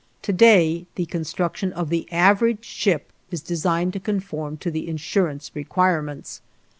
To day, the construction of the average ship is designed to conform to the insurance requirements.